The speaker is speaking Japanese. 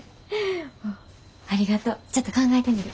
ありがとうちょっと考えてみる。